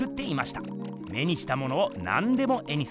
目にしたものをなんでも絵にする。